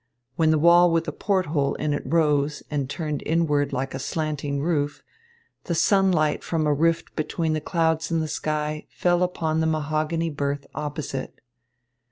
When the wall with the port hole in it rose and turned inward like a slanting roof, the sunlight from a rift between the clouds in the sky fell upon the mahogany berth opposite.